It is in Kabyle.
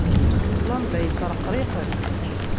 Lamba yettreqriqen.